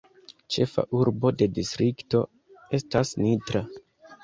Ĉefa urbo de distrikto estas Nitra.